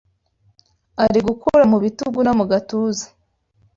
Ari gukura mu bitugu no mugatuza